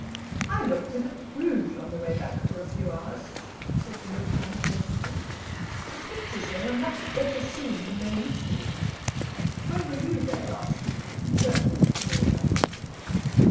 "I looked in at Bruges on the way back for a few hours," said the new comer, presently. "The pictures there are much better seen than they used to be. When were you there last?" He turned to Lord Lackington.